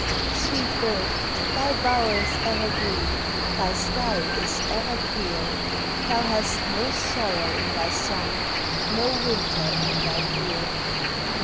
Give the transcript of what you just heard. Sweet bird ! thy bower is ever green, Thy sky is ever clear ; Thou hast no sorrow in thy song, Xo winter in thy year